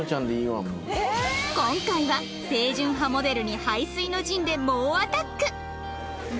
今回は清純派モデルに背水の陣で猛アタック！